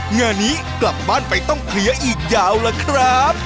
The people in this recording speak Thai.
งานนี้กลับบ้านไปต้องเคลียร์อีกยาวล่ะครับ